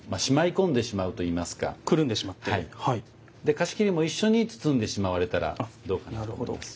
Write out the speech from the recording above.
菓子切りも一緒に包んでしまわれたらどうかなと思います。